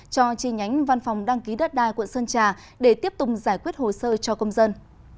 cho chi nhánh văn phòng đăng ký đất đai quận sơn trà để tiếp tục giải quyết hồ sơ cho công dân